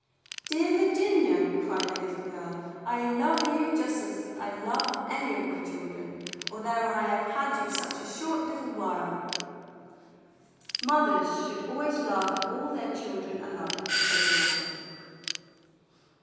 "Dear Virginia," cried the little girl, "I love you THE BLUE AUNT COMES 19 just as much as I love any of my children, although I have had you such a httle while." ''Mothers should always love all their children alike," said her aunt.